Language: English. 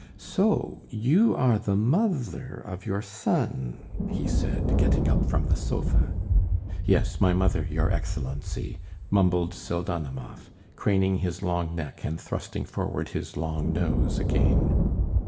"So you are the mo other of your so on?" he said, getting up from the sofa. "Yes, my mother, your Excellency," mumbled Pseldonimov, craning his long neck and thrusting forward his long nose again.